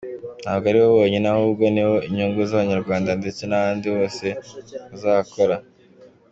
Ntabwo ari bo bonyine ahubwo, ni inyungu z’Abanyarwanda ndetse n’ahandi hose bazakora.